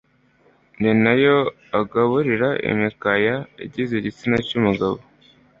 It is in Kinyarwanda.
ni nayo agaburira imikaya igize igitsina cy'umugabo,